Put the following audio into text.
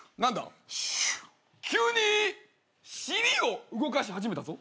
急に尻を動かし始めたぞ。